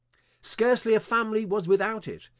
Scarcely a family was without it.